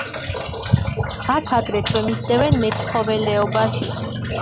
აქ აგრეთვე მისდევენ მეცხოველეობას.